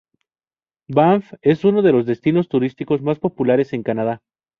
Banff es uno de los destinos turísticos más populares en Canadá.